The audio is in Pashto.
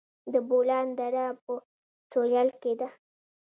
د بولان دره په سویل کې ده